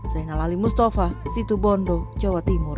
saya nalali mustafa situbondo jawa timur